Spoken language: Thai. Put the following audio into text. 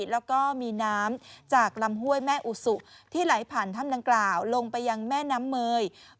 แล้วก็มีน้ำจากลำห้วยแม่อุสุที่ไหลผ่านถ้ำดังกล่าวลงไปยังแม่น้ำเมย